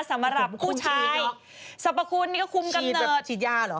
สำหรับผู้ชายสรรพคุณคุมกำเนิดฉีดฉีดย่าเหรอ